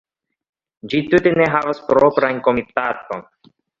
Ĝi tute ne havas propran komitaton.